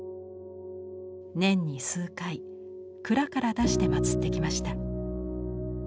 年に数回蔵から出して祀ってきました。